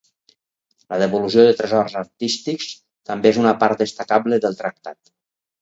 La devolució de tresors artístics també és una part destacable del tractat.